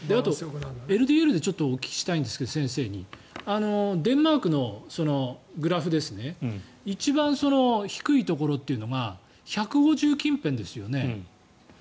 あとＬＤＬで先生にお聞きしたいんですけどデンマークのグラフですね一番低いところというのが１５０近辺ですよね。